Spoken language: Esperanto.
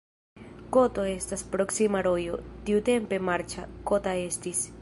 Koto estas proksima rojo, tiutempe marĉa, kota estis.